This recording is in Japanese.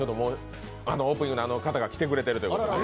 オープニングのあの方が来てくれています。